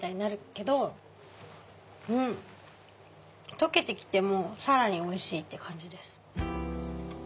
溶けてきてもさらにおいしいって感じです。